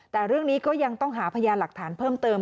แต่เรื่องนี้ก็ยังต้องหาพยานหลักฐานเพิ่มเติม